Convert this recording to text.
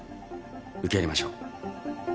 受け入れましょう。